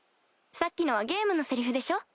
さっきのはゲームのセリフでしょ？